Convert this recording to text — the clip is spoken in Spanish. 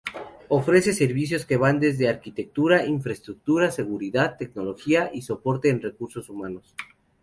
Ofrece servicios que van desde arquitectura, infraestructura, seguridad, tecnología y soporte en recursos humanos.